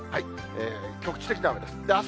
局地的な雨です。